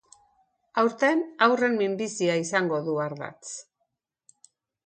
Aurten haurren minbizia izango du ardatz.